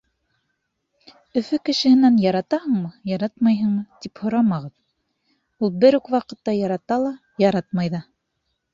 Өфө кешеһенән яратаһыңмы, яратмайһыңмы, тип һорамағыҙ. Ул бер үк ваҡытта ярата ла, яратмай ҙа.